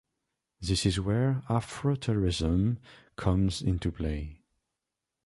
This is where Afrofuturism comes into play.